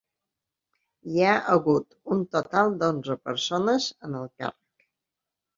Hi ha hagut un total d'onze persones en el càrrec.